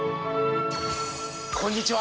こんにちは！